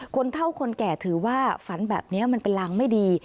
คนเท่าคนแก่ถือว่าฝันแบบนี้มันเป็นรางไม่ดี